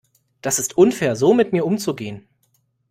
Das ist unfair so mit mir umzugehen.